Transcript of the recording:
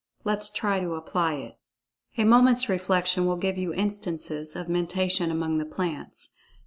Let us try to apply it. A moment's reflection will give you instances of Mentation among the plants.